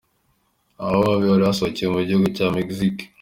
Aba baombi bari basohokeye mu gihugu cya Mexique.